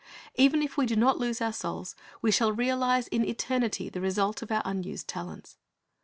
Even if we do not lose our souls, we shall realize in eternity" the result of our unused talents.